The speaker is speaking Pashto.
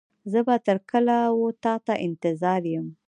زه به تر کله و تا ته انتظار يم.